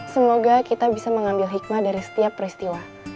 semoga kita bisa mengambil hikmah dari setiap peristiwa